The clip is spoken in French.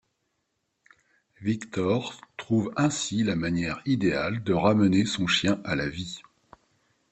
Victor trouve ainsi la manière idéale de ramener son chien à la vie.